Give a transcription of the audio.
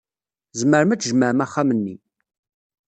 Tzemrem ad tjemɛem axxam-nni.